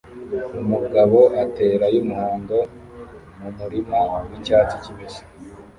Umugabo atera yumuhondo mumurima wicyatsi kibisi